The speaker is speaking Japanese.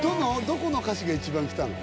どこの歌詞が一番きたの？